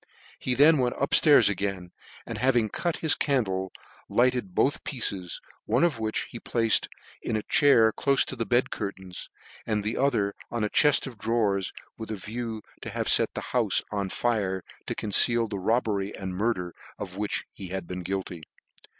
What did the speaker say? He then went up flairs again, and having cut his candle, lighted both pieces, one of which he placed in a chair clofc to the bed curtains, and the other on a che.ft ( of drawers^, with a view to have fet the houfe on fire, to conceal the robbery and murder of which he had been guilty.